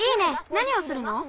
なにをするの？